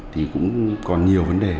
thì cũng còn nhiều vấn đề